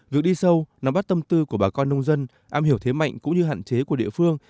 việc đi sâu nắm bắt tâm tư của bà con nông dân am hiểu thế mạnh cũng như hạn chế của địa phương